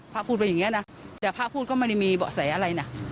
พูดไว้อย่างนี้นะแต่พระพูดก็ไม่ได้มีเบาะแสอะไรนะ